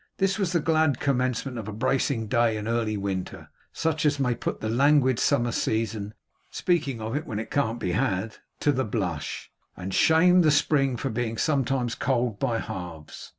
This was the glad commencement of a bracing day in early winter, such as may put the languid summer season (speaking of it when it can't be had) to the blush, and shame the spring for being sometimes cold by halves.